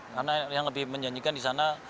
karena yang lebih menjanjikan di sana